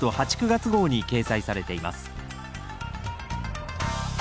９月号に掲載されています